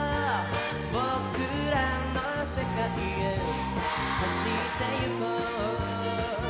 「僕らの世界へ走って行こう」